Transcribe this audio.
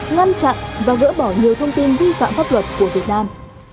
ngăn chặn và gỡ bỏ nhiều thông tin vi phạm pháp luật của việt nam